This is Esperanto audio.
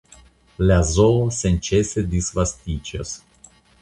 La zoo senĉese disvastiĝas.